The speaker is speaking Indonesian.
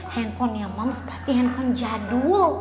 handphonenya moms pasti handphone jadul